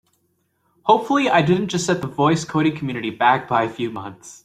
Hopefully I didn't just set the voice coding community back by a few months!